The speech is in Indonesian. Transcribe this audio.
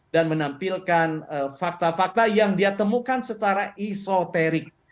dan menampilkan fakta fakta yang dia temukan secara esoterik